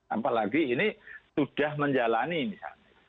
apalagi ini sudah menjalani misalnya